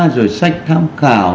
rồi sách tham khảo